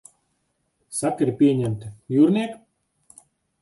Sakari pieņemti, jūrniek?